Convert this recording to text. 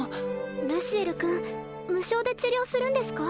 ルシエル君無償で治療するんですか？